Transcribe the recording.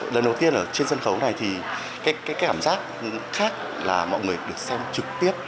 lần đầu tiên ở trên sân khấu này thì cái cảm giác khác là mọi người được xem trực tiếp